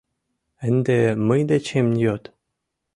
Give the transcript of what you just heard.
Ынде мый дечем йод...